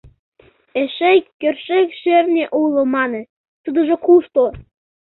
Эше ик кӧршӧк шӧртньӧ уло маныт, тудыжо кушто?